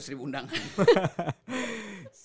sebulan ada seribu undangan